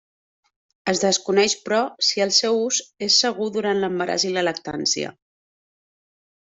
Es desconeix però si el seu ús és segur durant l'embaràs i la lactància.